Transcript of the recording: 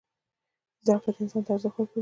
زدکړه انسان ته ارزښت ورکوي.